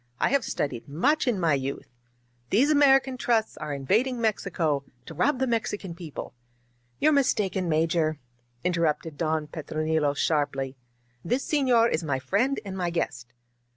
I have studied much in my youth. These American trusts are invad ing Mexico to rob the Mexican people " "You're mistaken, Major," interrupted Don Petro nilo sharply. This senor is my friend and my guest."